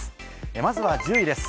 まずは１０位です。